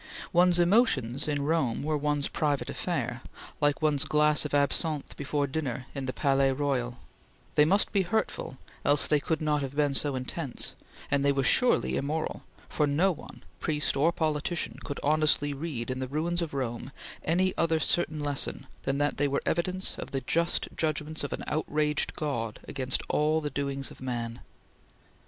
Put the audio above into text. One's emotions in Rome were one's private affair, like one's glass of absinthe before dinner in the Palais Royal; they must be hurtful, else they could not have been so intense; and they were surely immoral, for no one, priest or politician, could honestly read in the ruins of Rome any other certain lesson than that they were evidence of the just judgments of an outraged God against all the doings of man.